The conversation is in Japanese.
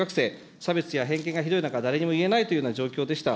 差別や偏見がひどい中、誰にも言えないというような状況でした。